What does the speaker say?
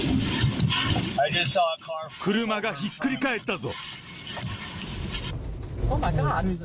車がひっくり返ったぞ。